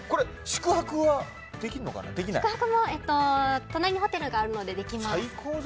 宿泊も隣にホテルがあるのでできます。